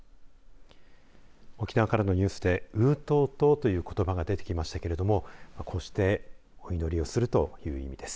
沖縄からのニュースでウートートーということばがありましたがこうして、お祈りをするという意味です。